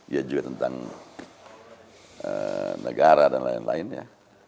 ya juga tentang negara dan lain lainnya